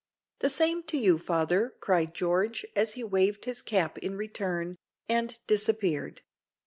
"The same to you, father," cried George, as he waved his cap in return, and disappeared.